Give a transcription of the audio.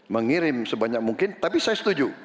mengirim sebanyak mungkin tapi saya setuju